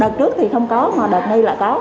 đợt trước thì không có mà đợt đây là có